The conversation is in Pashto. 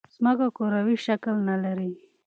ځمکه کروی شکل نه لري.